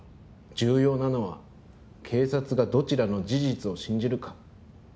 重要なのは警察がどちらの事実を信じるか。